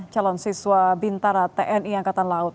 calon siswa bintara tni angkatan laut